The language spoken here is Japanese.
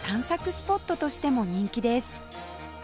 スポットとしても人気です